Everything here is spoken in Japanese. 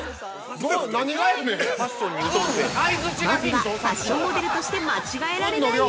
まずは、ファッションモデルとして間違えられない！？